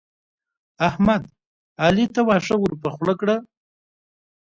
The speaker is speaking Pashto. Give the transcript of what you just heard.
احمد؛ علي ته واښه ور پر خوله کړل.